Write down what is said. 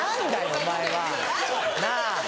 お前はなぁ。